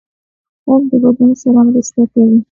خوب د بدن سره مرسته کوي